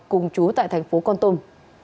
cùng chú tại thành phố con tôm